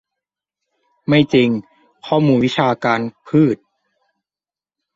ไม่จริง ข้อมูลวิชาการ พืช